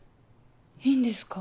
いいんですか？